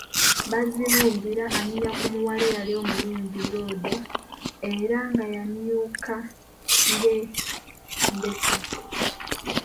Bazibumbira anyumya ku muwala eyali omulungi lwondo era nga yamyuka ng'endeku.